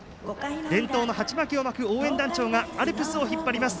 伝統の鉢巻きを巻く応援団長がアルプスを引っ張ります。